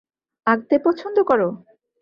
আঁকতে পছন্দ করো?